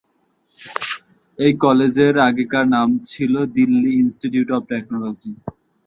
এই কলেজের আগেকার নাম ছিল দিল্লি ইনস্টিটিউট অফ টেকনোলজি।